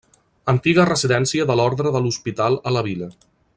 Antiga residència de l'ordre de l'Hospital a la vila.